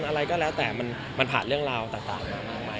อะไรก็แล้วแต่มันผ่านเรื่องราวต่างมามากมาย